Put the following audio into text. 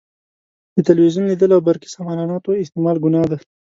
د تلویزیون لیدل او برقي سامان الاتو استعمال ګناه ده.